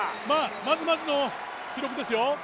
まずまずの記録ですよ。